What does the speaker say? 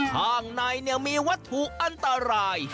ข้างในมีวัตถุอันตราย